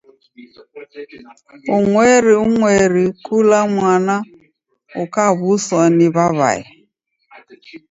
Umweri umweri kula mwana ukaw'uswa ni w'aw'ae.